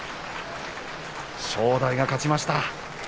正代が勝ちました。